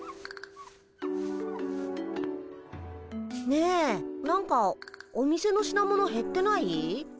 ねえなんかお店の品物へってない？